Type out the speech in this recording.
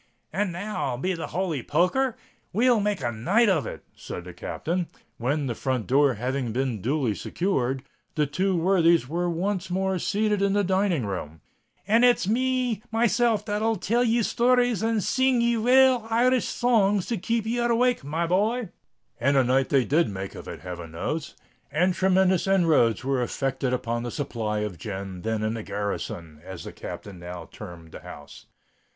"And now, be the holy poker r! we'll make a night of it," said the Captain, when, the front door having been duly secured, the two worthies were once more seated in the dining room: "and it's myself that'll tell ye stories and sing ye rale Irish songs to keep ye awake, my boy." And a night they did make of it, heaven knows!—and tremendous inroads were effected upon the supply of gin then in the "garrison," as the Captain now termed the house.